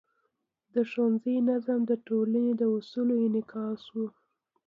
د ښوونځي نظم د ټولنې د اصولو انعکاس و.